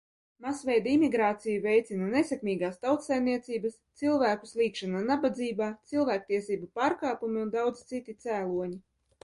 Masveida imigrāciju veicina nesekmīgās tautsaimniecības, cilvēku slīgšana nabadzībā, cilvēktiesību pārkāpumi un daudzi citi cēloņi.